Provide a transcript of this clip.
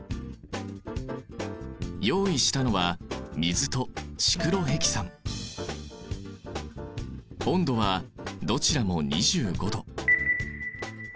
用意したのは温度はどちらも２５度。